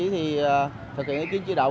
thực hiện ý kiến chỉ đạo